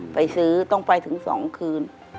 ไปซื้อต้องไปถึง๒คืน